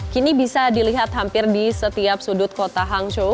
kini bisa dilihat hampir di setiap sudut kota hangzhou